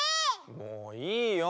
もういいよ。